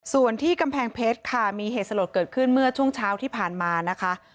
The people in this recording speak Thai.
ส่วนที่กำแพงเพชรค่ะมีเหตุสลดเกิดขึ้นเมื่อช่วงเช้าที่ผ่านมานะคะ